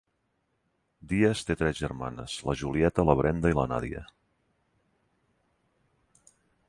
Díaz té tres germanes, la Julieta, la Brenda i la Nadia.